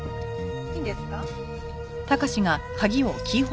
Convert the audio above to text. いいんですか？